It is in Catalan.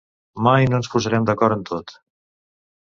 Mai no ens posarem d’acord en tot.